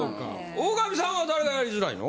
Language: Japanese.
大神さんは誰がやりづらいの？